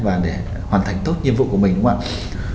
và để hoàn thành tốt nhiệm vụ của mình đúng không ạ